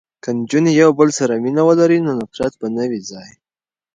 که نجونې یو بل سره مینه ولري نو نفرت به نه وي ځای.